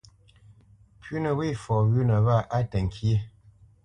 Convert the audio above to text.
Pʉ̌nə wê fɔ wʉ̌nə wâ á təŋkyé.